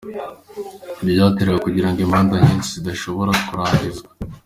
Ibyo byateraga kugira imanza nyinshi zidashobora kurangizwa.